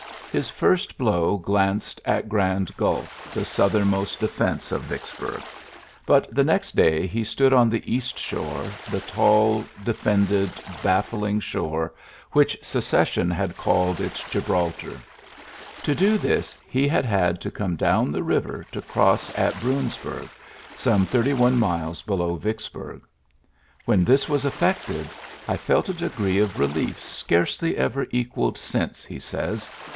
His first blow glanced at Grand Gul^ tlie southernmost defence of Vicks burg ; but the next day he stood on the east shore; the tall, defended, baffling shore which Secession had called its Gibraltar. To do this^ he had had to come down the river to cross at Bruins bnrg, some thirty one miles below Vicks burg. "When this was effected, I felt a degree of relief scarcely ever equalled since," he says.